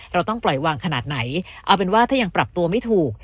เราต้องปล่อยวางขนาดไหนเอาเป็นว่าถ้ายังปรับตัวไม่ถูก